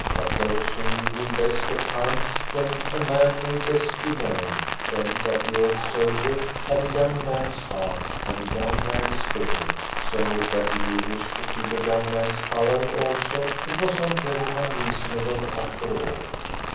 But those who knew him best at times when a man may best be known, said that the old soldier had a young man's heart and a young man's spirit so that if he wished to keep a young man's colour also it was not very unreasonable after all.